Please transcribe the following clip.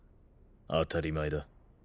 当たり前だ。